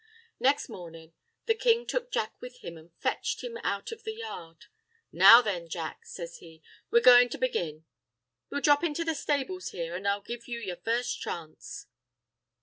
Next mornin' the king took Jack with him an' fetched him out into the yard. "Now then, Jack," says he, "we're goin' to begin. We'll drop into the stables here, an' I'll give you your first chance."